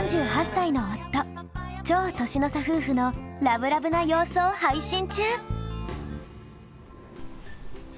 超年の差夫婦のラブラブな様子を配信中！